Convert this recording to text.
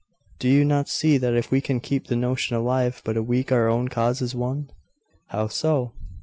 Do you not see that if we can keep the notion alive but a week our cause is won?' 'How so?